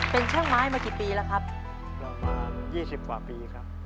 เป็นช่างไม้มากี่ปีแล้วครับประมาณยี่สิบกว่าปีครับ